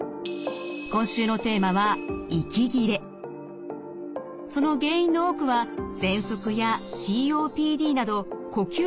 今週のテーマはその原因の多くはぜんそくやＣＯＰＤなど呼吸器の病気です。